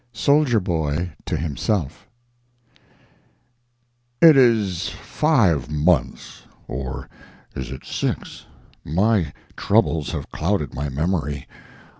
XIV SOLDIER BOY—TO HIMSELF IT is five months. Or is it six? My troubles have clouded my memory.